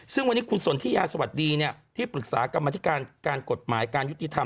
ซึ่งวันนี้คุณสนทิยาสวัสดีที่ปรึกษากรรมธิการการกฎหมายการยุติธรรม